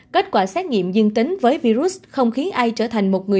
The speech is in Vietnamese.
kết quả xét nghiệm dương tính với virus không khí ai trở thành một người